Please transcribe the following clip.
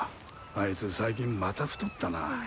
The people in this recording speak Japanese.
あいつ最近また太ったなあ。